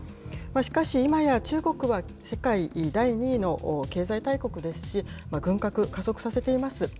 しかしいまや中国は世界第２位の経済大国ですし、軍拡、加速させています。